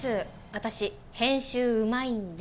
私編集うまいんで。